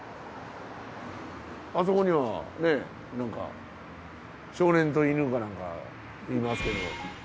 あそこにはねぇ少年と犬かなんかいますけど。